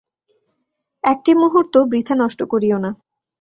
একটি মুহূর্তও বৃথা নষ্ট করিও না।